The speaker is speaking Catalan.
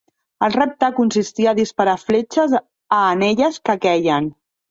El repte consistia a disparar fletxes a anelles que queien.